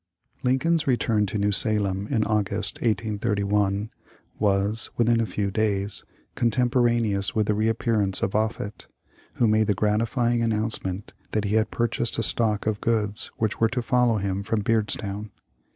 Lincoln's return to New Salem in August, 1831, was, within a few days, contemporaneous with the reappearance of Offut, who made the gratifying announcement that he had purchased a stock of goods which were to follow him from Beardstown.